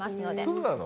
そうなの？